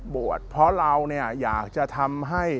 บวชเพราะเราเนี่ยอยากจะทำให้